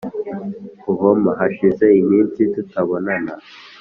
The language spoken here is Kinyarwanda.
uhm hashize iminsi tutabonana